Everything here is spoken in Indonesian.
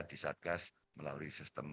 di satgas melalui sistem